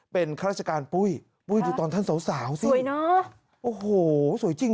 เป็นราชการปุ้ยดูตอนท่านสาวสิสวยเนอะโอ้โหสวยจริง